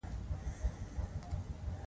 د تماس ناروغۍ د پوست تماس له امله دي.